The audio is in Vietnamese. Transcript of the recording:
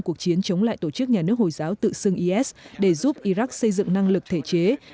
cuộc chiến chống lại tổ chức nhà nước hồi giáo tự xưng is để giúp iraq xây dựng năng lực thể chế